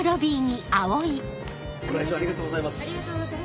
ご来場ありがとうございます。